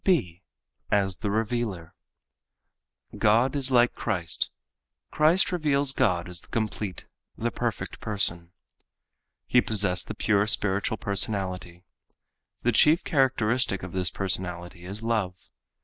(b) As the Revealer.—God is like Christ. Christ reveals God as the complete, the perfect person. He possessed the pure spiritual personality. The chief characteristic of this personality is love.